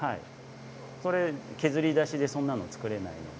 それ削り出しでそんなの作れないので。